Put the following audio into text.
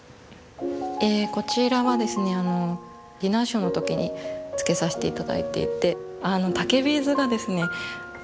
こちらはですねディナーショーの時につけさせて頂いていて竹ビーズがですね